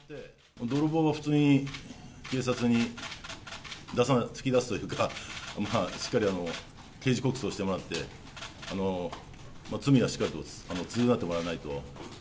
泥棒は普通に警察に突き出すというか、しっかり刑事告訴してもらって、罪はしっかりと償ってもらわないと。